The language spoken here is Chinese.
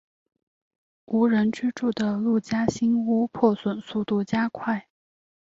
无人居住的陆家新屋破损速度加快。